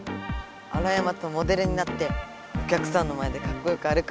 アロヤマとモデルになっておきゃくさんの前でかっこよく歩く。